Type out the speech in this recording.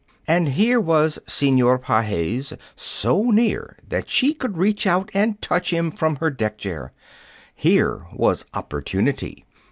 And here was Senor Pages, so near that she could reach out and touch him from her deck chair. Here was opportunity!